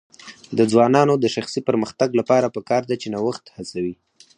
د ځوانانو د شخصي پرمختګ لپاره پکار ده چې نوښت هڅوي.